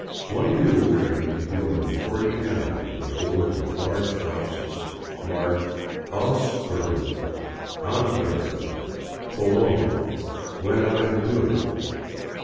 One mule train of more than forty animals was loadea with large boxes marked " Ausfuhrgut; Antwerpen, Colon, Buenaven tura."